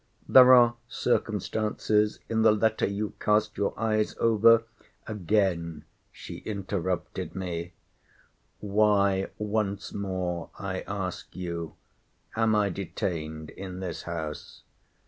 There are circumstances in the letter you cast your eyes over—— Again she interrupted me, Why, once more I ask you, am I detained in this house?